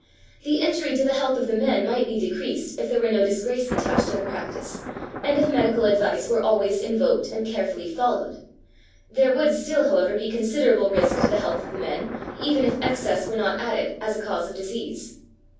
The injury to the health of the men might be decreased if there were no disgrace attached to the practice, and if medical advice were always invoked and carefully followed; there would still, however, be considerable risk to the health of the men, even if excess were not added, as a cause of disease.